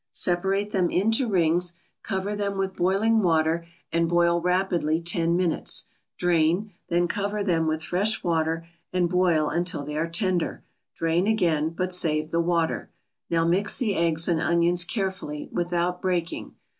Separate them into rings, cover them with boiling water and boil rapidly ten minutes; drain, then cover them with fresh water and boil until they are tender; drain again, but save the water. Now mix the eggs and onions carefully, without breaking.